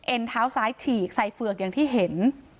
เท้าซ้ายฉีกใส่เฝือกอย่างที่เห็น